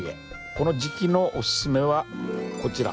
この時期のおすすめはこちら。